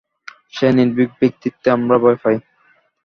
সেই নির্ভীক ব্যক্তিত্বে আমরা ভয় পাই।